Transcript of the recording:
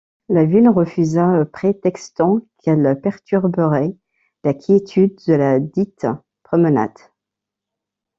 La ville refusa, prétextant qu'elle perturberait la quiétude de la dite-promenade.